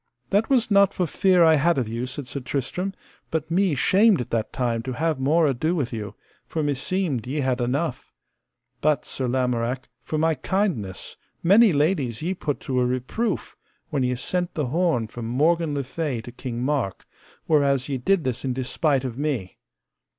That was not for fear I had of you, said Sir Tristram, but me shamed at that time to have more ado with you, for meseemed ye had enough; but, Sir Lamorak, for my kindness many ladies ye put to a reproof when ye sent the horn from Morgan le Fay to King Mark, whereas ye did this in despite of me.